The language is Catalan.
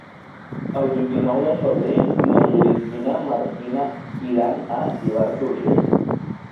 El vint-i-nou de febrer na Judit i na Martina iran a Ivars d'Urgell.